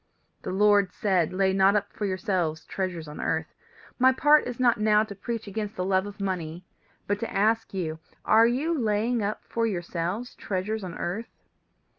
"The Lord said, Lay not up for yourselves treasures on earth. My part is not now to preach against the love of money, but to ask you: Are you laying up for yourselves treasures on earth?